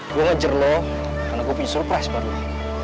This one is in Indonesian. gue ngejar lo karena gue punya surprise buat lo